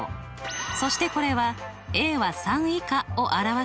そしてこれはは３以下を表す記号です。